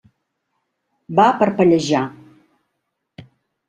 Va parpellejar.